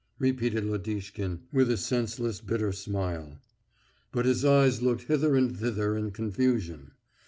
repeated Lodishkin, with a senseless bitter smile. But his eyes looked hither and thither in confusion.